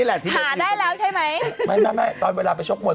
หมดเวลาแล้วนะครับ